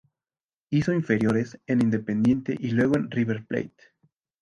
Hizo inferiores en Independiente y luego en River Plate.